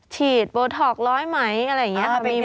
ฉีดโบท็อก๑๐๐ไหมอะไรอย่างนี้ค่ะมีหมด